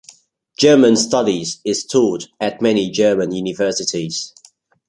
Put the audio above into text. "German studies" is taught at many German universities.